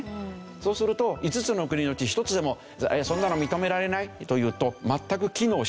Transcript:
そうすると５つの国のうち１つでも「そんなの認められない」と言うと全く機能しなくなる。